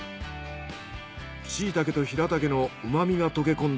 シイタケとヒラタケの旨みが溶け込んだ